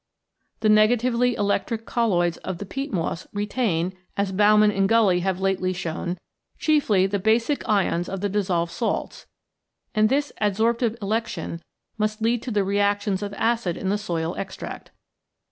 The negatively electric colloids of the peat moss retain, as Baumann and Gully have lately shown, chiefly the basic ions of the dissolved salts, and this adsorptive election must lead to reactions of acid in the soil extract.